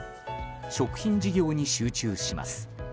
食品事業に集中します。